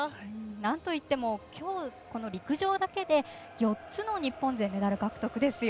なんといってもきょう、この陸上だけで４つの日本勢、メダル獲得ですよ。